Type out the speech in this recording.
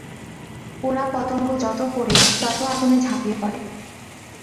পোড়া পতঙ্গ যত পোড়ে তত আগুনে ঝাঁপিয়ে পড়ে।